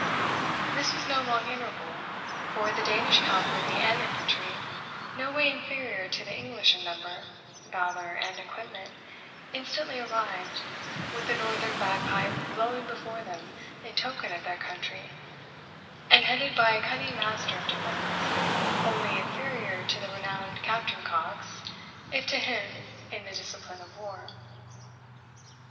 This was no long interval; for the Danish cavalry and infantry, no way inferior to the English in number, valour, and equipment, instantly arrived, with the northern bagpipe blowing before them in token of their country, and headed by a cunning master of defence, only inferior to the renowned Captain Coxe, if to him, in the discipline of war.